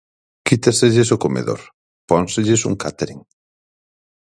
Quítaselles o comedor, pónselles un cátering.